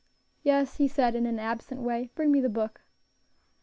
"Yes," he said, in an absent way; "bring me the book."